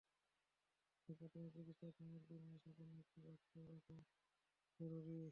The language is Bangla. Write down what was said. তাই প্রাথমিক চিকিৎসার সামগ্রী দিয়ে সাজানো একটি বাক্সও কাছে রাখা জরুরি।